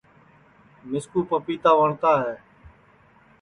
مِسکُو پَپیتا وٹؔتا ہے